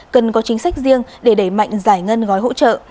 cần có chính sách riêng để đẩy mạnh giải ngân gói hỗ trợ